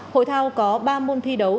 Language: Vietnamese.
hội thao có ba môn thi đấu